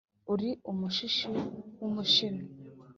uri umushishi w'umushino